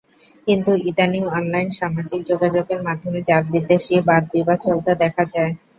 কিন্তু ইদানীং অনলাইন সামাজিক যোগাযোগের মাধ্যমে জাতবিদ্বেষী বাদ-বিবাদ চলতে দেখা যায়।